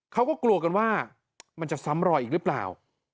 เขาก็กลัวกันว่ามันจะซ้ำรอยอีกหรือเปล่า